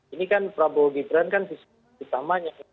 ini kan prabowo gibran kan visi utamanya